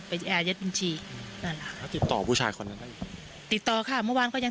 ไปแอร์ยัดบัญชีติดต่อผู้ชายคนนั้นติดต่อค่ะเมื่อวันก็ยัง